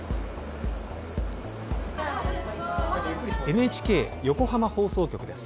ＮＨＫ横浜放送局です。